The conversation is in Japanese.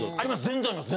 全然あります。